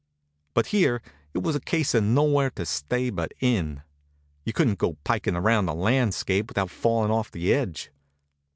But here it was a case of nowhere to stay but in. You couldn't go pikin' around the landscape without falling off the edge.